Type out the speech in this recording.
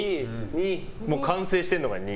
完成してるのが２。